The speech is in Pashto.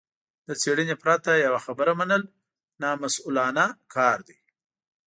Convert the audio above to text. له څېړنې پرته يوه خبره منل نامسوولانه کار دی.